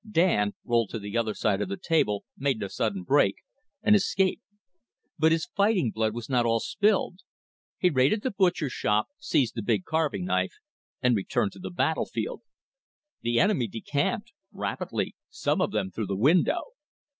Dan rolled to the other side of the table, made a sudden break, and escaped. But his fighting blood was not all spilled. He raided the butcher shop, seized the big carving knife, and returned to the battle field. The enemy decamped rapidly some of them through the window.